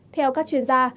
theo các chuyên gia